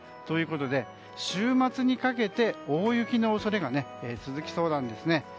ということで週末にかけて大雪の恐れが続きそうなんですね。